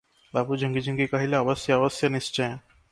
ବାବୁ ଝୁଙ୍କି ଝୁଙ୍କି କହିଲେ, "ଅବଶ୍ୟ, ଅବଶ୍ୟ, ନିଶ୍ଚୟ ।"